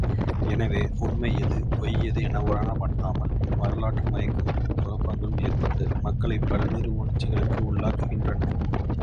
எனவே உண்மை எது பொய்யெது என உணரமாட்டாமல் வரலாற்று மயக்கங்களும் குழப்பங்களும் ஏற்பட்டு, மக்களைப் பல்வேறு உணர்ச்சிகளுக்கு உள்ளாக்குகின்றன.